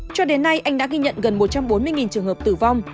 cho đến nay anh đã ghi nhận gần một trăm bốn mươi trường hợp tử vong